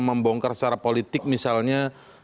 membongkar secara politik misalnya